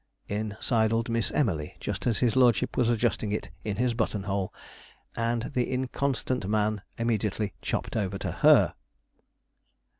In sidled Miss Emily just as his lordship was adjusting it in his button hole, and the inconstant man immediately chopped over to her.